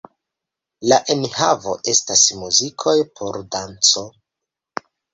La enhavo estas muzikoj por danco.